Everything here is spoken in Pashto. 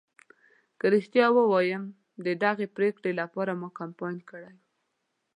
که رښتیا ووایم ددغې پرېکړې لپاره ما کمپاین کړی و.